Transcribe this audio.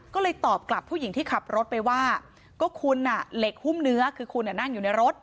ก็เลยตอบกลับผู้หญิงที่ขับรถไปว่าก็คุณเหล็กหุ้มเนื้อคือคุณนั่งอยู่ในรถ